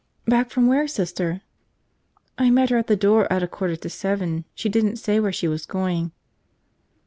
"Back from where, Sister?" "I met her at the door at a quarter to seven. She didn't say where she was going."